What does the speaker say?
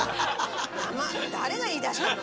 誰が言いだしたの？